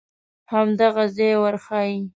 همدغه ځای ورښیې.